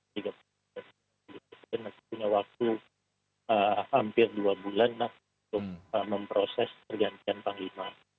jadi itu punya waktu hampir dua bulan untuk memproses pergantian panglima